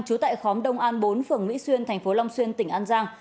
chú tại khóm đông an bốn phường mỹ xuyên tp long xuyên tỉnh an giang